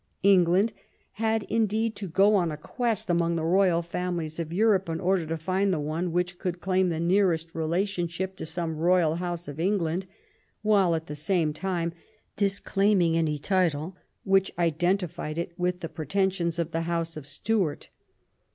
England had, indeed, to go on a quest among the royal families of Europe in order to find the one which could claim the nearest relationship to some royal house of England, while at the same time disclaiming any title which identified it with the pretensions of the house of Stuart.